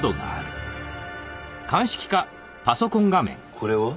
これは？